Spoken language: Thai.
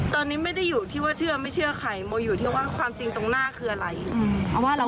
ตอนนี้ไม่ได้อยู่ที่ว่าเชื่อไม่เชื่อใครโมอยู่ที่ว่าความจริงตรงหน้าคืออะไร